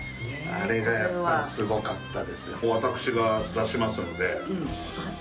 あれがやっぱりすごかったです。